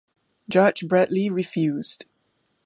Judge Bradley refused.